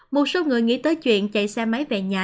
một số người nghĩ tới chuyện chạy xe máy về nhà